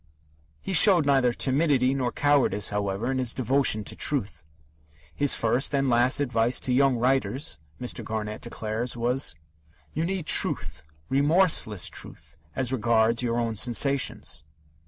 '" He showed neither timidity nor cowardice, however, in his devotion to truth. His first and last advice to young writers, Mr. Garnett declares, was: "You need truth, remorseless truth, as regards your own sensations."